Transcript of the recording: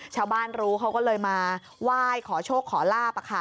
ชาวบ้านรู้เขาก็เลยมาไหว้ขอโชคขอลาบ